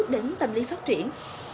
đến tâm lý phát triển